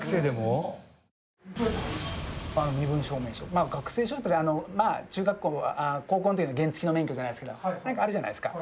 まあ学生証だったり高校の時の原付の免許じゃないですけどなんかあるじゃないですか。